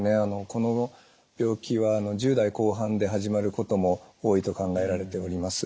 この病気は１０代後半で始まることも多いと考えられております。